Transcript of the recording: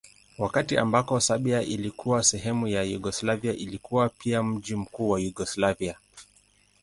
Wakati ambako Serbia ilikuwa sehemu ya Yugoslavia ilikuwa pia mji mkuu wa Yugoslavia.